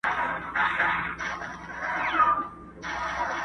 چي په زړه کي څه در تېر نه سي آسمانه!.